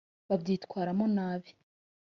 babyitwaramo nabi